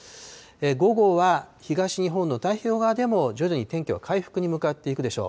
午後は東日本の太平洋側でも、徐々に天気は回復に向かっていくでしょう。